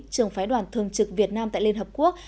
trưởng phái đoàn thường trực việt nam tại liên hợp quốc